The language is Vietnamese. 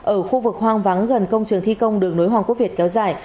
ở khu vực hoang vắng gần công trường thi công đường nối hoàng quốc việt kéo dài